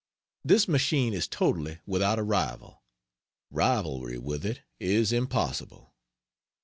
This machine is totally without a rival. Rivalry with it is impossible.